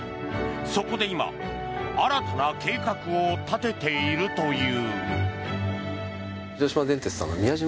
そこで今、新たな計画を立てているという。